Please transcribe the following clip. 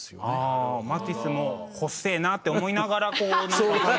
マティスも細えなって思いながらこう。